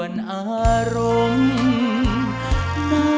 ไม่ใช้